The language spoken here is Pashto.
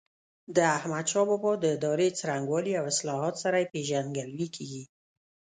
د احمدشاه بابا د ادارې څرنګوالي او اصلاحاتو سره یې پيژندګلوي کېږي.